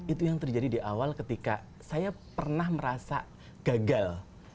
itu yang terjadi di awal ketika saya pernah merasa gagal